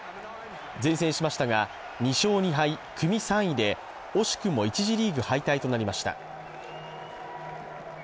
善戦しましたが、２勝２敗、組３位で惜しくも１次リーグ敗退となりました。